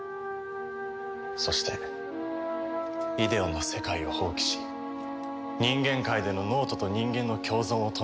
そしてイデオンの世界を放棄し人間界での脳人と人間の共存を唱えた。